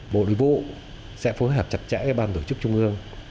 bộ nội vụ sẽ phối hợp chặt chẽ với ban tổ chức trung ương